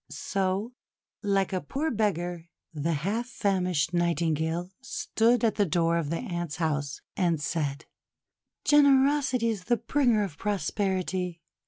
So, like a poor beggar the half famished Nightingale stood at the door of the Ant's house, and said :— "Generosity is the bringer of prosperity!